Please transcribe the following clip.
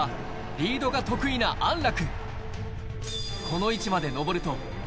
リードが得意な安楽。